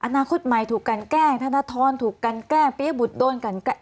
อนาคตใหม่ถูกกันแกล้งธนทรถูกกันแกล้งปียบุตรโดนกันแกล้